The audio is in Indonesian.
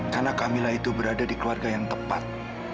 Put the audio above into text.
karena kamilah itu berada di keluarga yang tepat